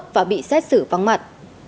và bị xét xử vắng mặt